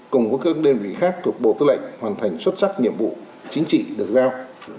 cùng với các đơn vị khác thuộc bộ tư lệnh hoàn thành xuất sắc nhiệm vụ chính trị được giao